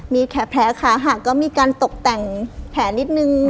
มีแผลขาหักก็มีการตกแต่งแผลนิดนึง